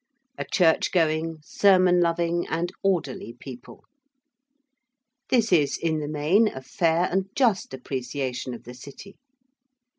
A church going, sermon loving, and orderly people. This is in the main a fair and just appreciation of the City.